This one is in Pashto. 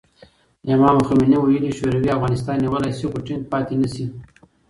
امام خمیني ویلي، شوروي افغانستان نیولی شي خو ټینګ پاتې نه شي.